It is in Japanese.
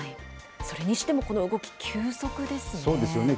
それにしてもこの動き、急速ですね。